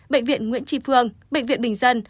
bệnh viện nguyễn tri phương bệnh viện bình dân